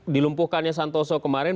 dilumpuhkannya santoso kemarin